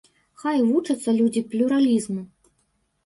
Хай вучацца людзі плюралізму.